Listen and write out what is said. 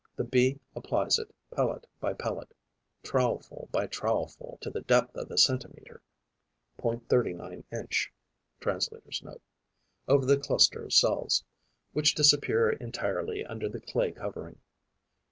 The Bee applies it pellet by pellet, trowelful by trowelful, to the depth of a centimetre (.39 inch Translator's Note.) over the cluster of cells, which disappear entirely under the clay covering.